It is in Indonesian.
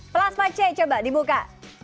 plasma c coba dibuka